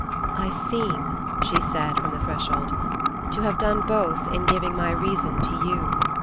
"I seem," she said from the threshold, "to have done both in giving my reason to you."